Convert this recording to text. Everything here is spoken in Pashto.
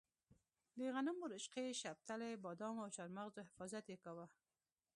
د غنمو، رشقې، شپتلې، بادامو او چارمغزو حفاظت یې کاوه.